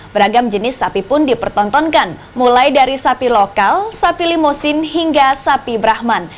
beragam jenis sapi pun dipertontonkan mulai dari sapi lokal sapi limosin hingga sapi brahman